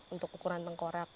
untuk ukuran tengkorak